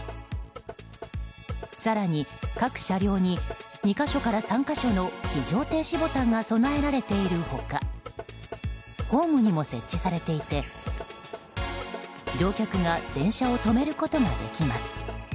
更に、各車両に２か所から３か所の非常停止ボタンが備えられている他ホームにも設置されていて乗客が電車を止めることができます。